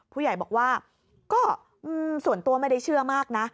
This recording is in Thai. ผู้ใหญ่บอกว่าก็ส่วนตัวไม่ได้เชื่อมากนะ